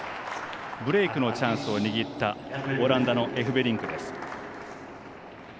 ブレークのチャンスを握ったオランダのエフベリンクです。